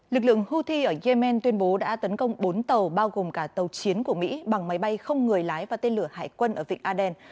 lực lượng houthi ở yemen tuyên bố đã tấn công bốn tàu bao gồm cả tàu chiến của mỹ bằng máy bay không người lái và tên lửa hải quân ở vịnh aden